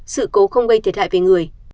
sự cố không gây thiệt hại về người